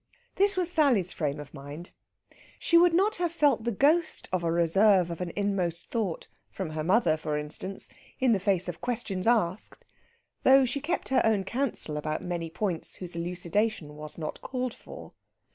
This was Sally's frame of mind. She would not have felt the ghost of a reserve of an inmost thought (from her mother, for instance) in the face of questions asked, though she kept her own counsel about many points whose elucidation was not called for.